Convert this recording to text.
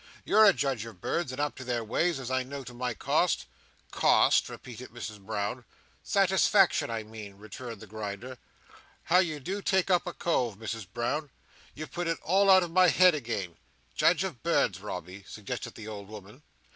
You're a judge of birds, and up to their ways, as I know to my cost." "Cost!" repeated Mrs Brown. "Satisfaction, I mean," returned the Grinder. "How you do take up a cove, Misses Brown! You've put it all out of my head again." "Judge of birds, Robby," suggested the old woman.